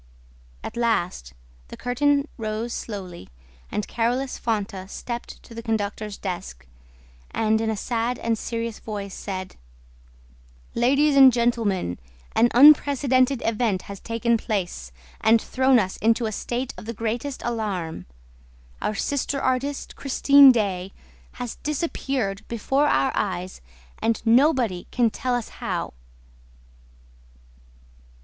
At last, the curtain rose slowly and Carolus Fonta stepped to the conductor's desk and, in a sad and serious voice, said: "Ladies and gentlemen, an unprecedented event has taken place and thrown us into a state of the greatest alarm. Our sister artist, Christine Daae, has disappeared before our eyes and nobody can tell us how!"